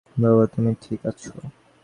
বাবা তুমি ঠিক আছো?